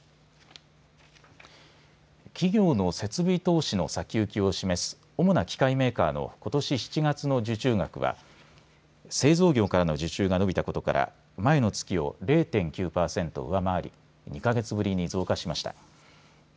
企業の設備投資の先行きを示す主な機械メーカーのことし７月の受注額は製造業からの受注が伸びたことから前の月を０．９％上回り２か月ぶりに増加しました。